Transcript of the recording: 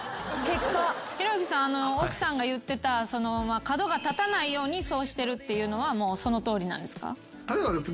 ひろゆきさん奥さんが言ってた角が立たないようにそうしてるっていうのはもうそのとおりなんですか？